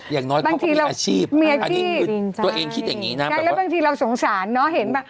อย่างน้อยบางทีเราอาชีพมีอาชีพตัวเองคิดอย่างงี้นะงั้นแล้วบางทีเราสงสารเนอะเห็นป่ะ